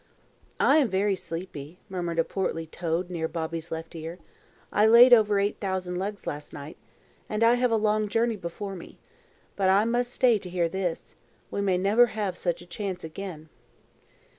"I am very sleepy," murmured a portly toad near Bobby's left ear. "I laid over eight thousand eggs last night, and I have a long journey before me. But I must stay to hear this. We may never have such a chance again."